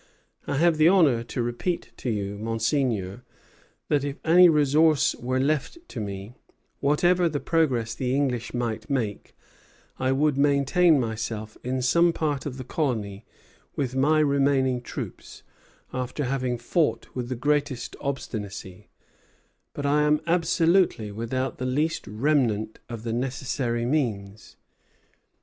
I have the honor to repeat to you, Monseigneur, that if any resource were left me, whatever the progress the English might make, I would maintain myself in some part of the colony with my remaining troops, after having fought with the greatest obstinacy; but I am absolutely without the least remnant of the necessary means.